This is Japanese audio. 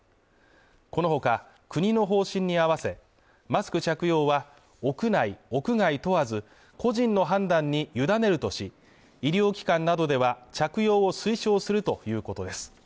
このほか国の方針に合わせマスク着用は屋内屋外問わず個人の判断に委ねるとし医療機関などでは着用を推奨するということです